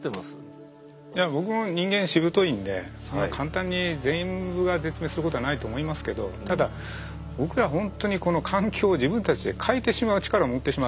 いや僕も人間しぶといんでそんな簡単に全部が絶滅することはないと思いますけどただ僕らほんとにこの環境を自分たちで変えてしまう力を持ってしまったので。